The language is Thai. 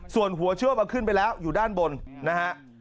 ส่วนหัวเชื่อมขึ้นไปแล้วอยู่ด้านบนนะฮะ